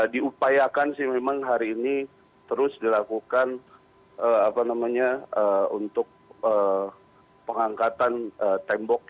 diupayakan sih memang hari ini terus dilakukan untuk pengangkatan tembok